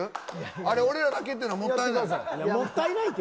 あれ俺らだけってもったいない。